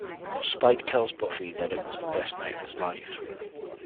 Spike tells Buffy that it was the best night of his life.